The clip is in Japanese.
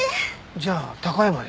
じゃあ高山へ？